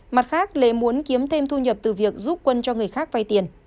mặt khác lê muốn kiếm thêm thu nhập từ việc giúp quân cho người khác vay tiền